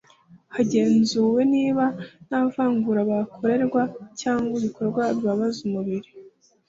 hagenzuwe niba nta vangura bakorerwa cyangwa ibikorwa bibabaza umubiri